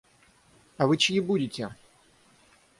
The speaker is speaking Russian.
А вы чьи будете?..